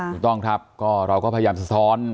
ถูกต้องครับก็เราก็พยายามสะท้อน